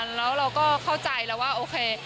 แล้วเราก็เข้าใจแล้วว่าโอเค